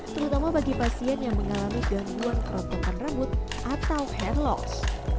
terutama bagi pasien yang mengalami gangguan kerotokan rambut atau hair loss